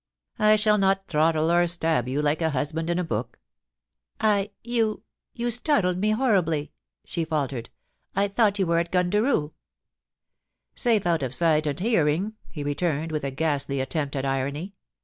I shall not throttle or stab you, like a husband in a book.' *I — you — you startled me horribly,' she faltered. *I thought you were at Gundaroo.' * Safe out of sight and hearing,' he retximed, with a ghastly attempt at irony.